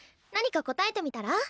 何か応えてみたら？